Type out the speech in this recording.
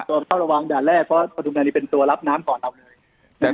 เป็นตัวระวังด่านแรกเพราะประทุมฐานีเป็นตัวรับน้ำก่อนเอาเลย